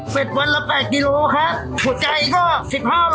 เป็นวันละ๘กิโลครับหัวใจก็๑๕โล